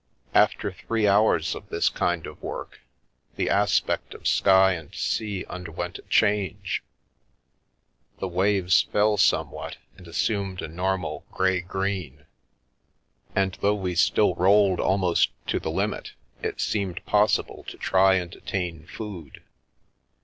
After three hours of this kind of work, the aspect of sky and sea underwent a change, the waves fell somewhat and assumed a normal grey green, and though we still rolled almost to the limit, it seemed possible to try and attain food.